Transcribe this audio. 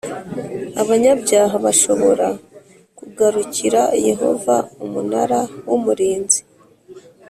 Abanyabyaha bashobora kugarukira Yehova Umunara w Umurinzi